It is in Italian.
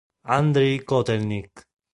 Andrij Kotel'nyk